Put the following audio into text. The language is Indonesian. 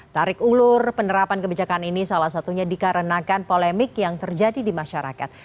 tarik ulur penerapan kebijakan ini salah satunya dikarenakan polemik yang terjadi di masyarakat